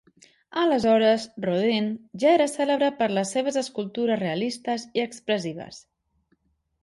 Aleshores, Rodin ja era cèlebre per les seves escultures realistes i expressives.